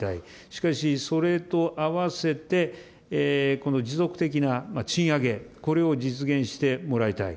しかし、それと併せてこの持続的な賃上げ、これを実現してもらいたい。